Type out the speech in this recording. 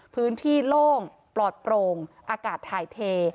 พื้นที่โล่งปลอดโปร่งอากาศถ่ายเท